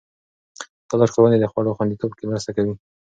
دا لارښوونې د خوړو خوندیتوب کې مرسته کوي.